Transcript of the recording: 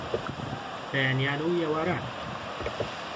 بەیانیان و ئێواران